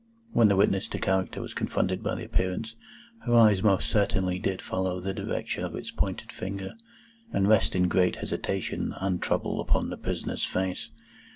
When the witness to character was confronted by the Appearance, her eyes most certainly did follow the direction of its pointed finger, and rest in great hesitation and trouble upon the prisoner's face.